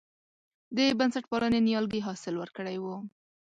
د بنسټپالنې نیالګي حاصل ورکړی و.